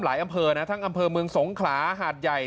อำเภอนะทั้งอำเภอเมืองสงขลาหาดใหญ่